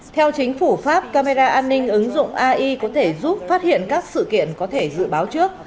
theo chính phủ pháp camera an ninh ứng dụng ai có thể giúp phát hiện các sự kiện có thể dự báo trước